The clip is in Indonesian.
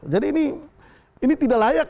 jadi ini tidak layak